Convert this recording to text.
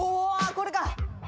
これか！